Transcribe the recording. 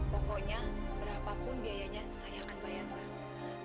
pokoknya berapapun biayanya saya akan bayarkan